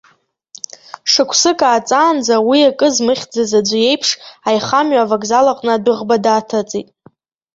Шықәсык ааҵаанӡа, уи акы змыхьӡаз аӡәы иеиԥш аихамҩа авокзал аҟны адәыӷба дааҭыҵит.